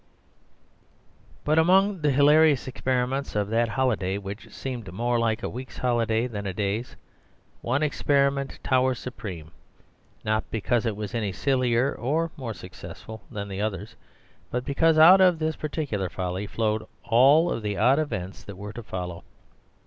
But among the hilarious experiments of that holiday (which seemed more like a week's holiday than a day's) one experiment towers supreme, not because it was any sillier or more successful than the others, but because out of this particular folly flowed all of the odd events that were to follow.